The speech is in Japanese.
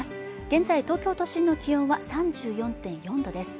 現在東京都心の気温は３４．４度です